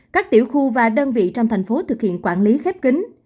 các tiểu khu và đơn vị trong thành phố thực hiện quản lý khép kính